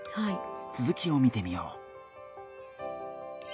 続きを見てみよう。